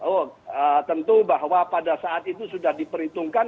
oh tentu bahwa pada saat itu sudah diperhitungkan